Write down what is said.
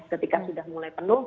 ketika sudah mulai penuh